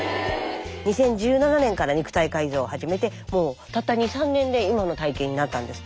２０１７年から肉体改造を始めてもうたった２３年で今の体形になったんですって。